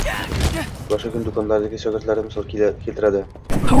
Boshqa kun do'konlardagi shogirdlarni misol keltiradi.